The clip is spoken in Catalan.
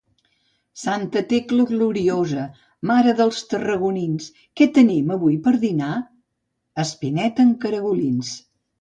Santa Tecla gloriosa, mare dels tarragonins, què tenim avui per dinar? —Espineta amb caragolins.